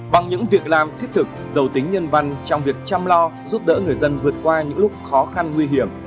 bằng những việc làm thiết thực giàu tính nhân văn trong việc chăm lo giúp đỡ người dân vượt qua những lúc khó khăn nguy hiểm